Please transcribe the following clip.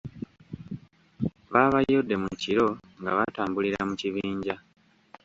Baabayodde mu kiro nga batambulira mu kibinja.